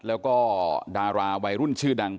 แล้วก็ดาราวัยรุ่นชื่อดัง